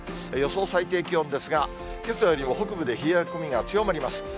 予想最低気温ですが、けさよりも北部で冷え込みが強まります。